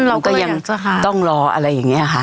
เราก็ยังต้องรออะไรอย่างนี้ค่ะ